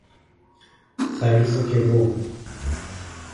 Θα έλθω κι εγώ.